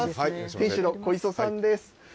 店主のこいそさんです。